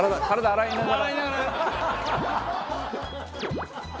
洗いながら。